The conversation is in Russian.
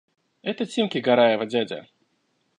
– Это Тимки Гараева дядя.